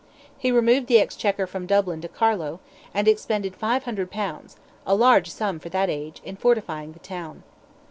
He removed the Exchequer from Dublin to Carlow, and expended 500 pounds—a large sum for that age—in fortifying the town.